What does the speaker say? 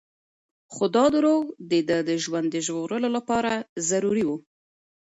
خو دا دروغ د ده د ژوند د ژغورلو لپاره ضروري وو.